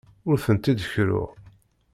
Ur tent-id-kerruɣ.